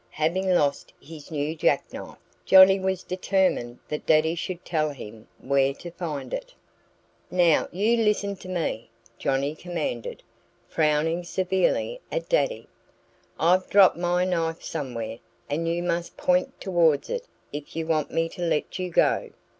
Having lost his new jackknife, Johnnie was determined that Daddy should tell him where to find it. "Now, you listen to me!" Johnnie commanded, frowning severely at Daddy. "I've dropped my knife somewhere and you must point towards it if you want me to let you go.